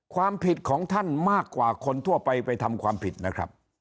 ความผิดของท่านมากกว่าคนทั่วไปไปทำความผิดนะครับ